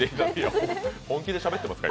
本気でしゃべってますか？